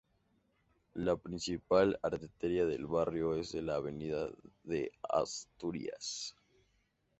La principal arteria del barrio es la avenida de Asturias.